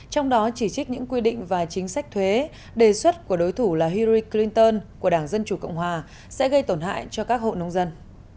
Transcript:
trong đó chỉ trích những quy định và chính sách thuế đề xuất của đối thủ là hiri clinton của đảng dân chủ cộng hòa sẽ gây tổn hại cho các hộ nông dân